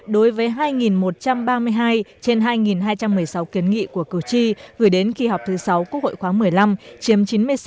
đối với hai một trăm ba mươi hai trên hai hai trăm một mươi sáu kiến nghị của cử tri gửi đến kỳ họp thứ sáu quốc hội khoáng một mươi năm chiếm chín mươi sáu sáu